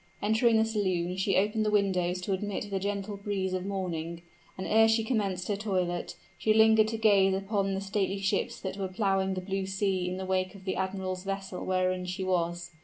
Entering the saloon, she opened the windows to admit the gentle breeze of morning; and ere she commenced her toilet, she lingered to gaze upon the stately ships that were plowing the blue sea in the wake of the admiral's vessel wherein she was.